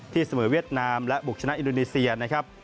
เสมอเวียดนามและบุกชนะอินโดนีเซียนะครับ